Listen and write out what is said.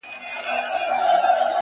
صبر وکړه لا دي زمانه راغلې نه ده،